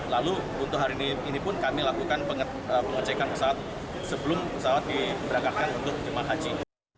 lalu untuk hari ini pun kami lakukan pengecekan pesawat sebelum pesawat diberangkatkan untuk jemaah haji